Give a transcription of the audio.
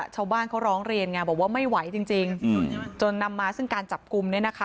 ชาวบ้านเขาร้องเรียนไงบอกว่าไม่ไหวจริงจนนำมาซึ่งการจับกลุ่มเนี่ยนะคะ